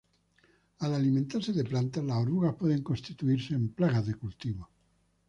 Al alimentarse de plantas, las orugas pueden constituirse en plagas de cultivos.